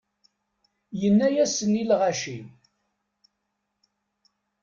Yenna-yasen i lɣaci.